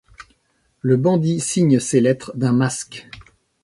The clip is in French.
Le bandit signe ses lettres d'un masque.